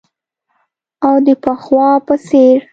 او د پخوا په څیر